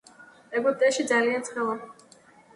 ეგვიპტეში ძალიან ცხელა